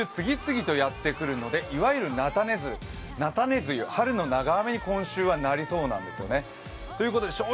この雨雲か今週次々とやってくるのでいわゆる菜種梅雨、春の長雨に今週はなりそうなんです。